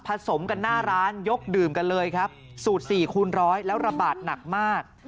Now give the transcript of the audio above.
สมกันหน้าร้านยกดื่มกันเลยครับสูตร๔คูณร้อยแล้วระบาดหนักมาก